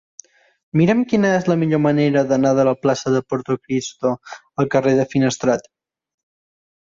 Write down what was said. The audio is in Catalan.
Mira'm quina és la millor manera d'anar de la plaça de Portocristo al carrer de Finestrat.